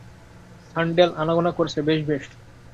সাণ্ডেল আনাগোনা করছে, বেশ বেশ।